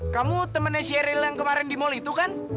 kamu temennya sheryl yang kemarin di mal itu kan